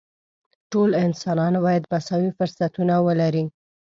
ټول انسانان باید مساوي فرصتونه ولري.